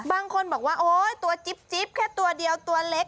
บางคนบอกว่าโอ๊ยตัวจิ๊บแค่ตัวเดียวตัวเล็ก